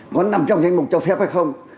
có nằm trong danh mục cho phép hay không